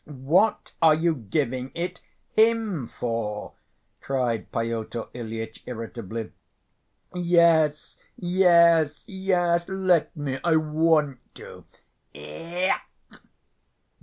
"What are you giving it him for?" cried Pyotr Ilyitch, irritably. "Yes, yes, yes, let me! I want to!" "E—ech!"